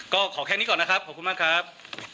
ก็ขอแค่นี้ก่อนนะครับขอบคุณมากครับ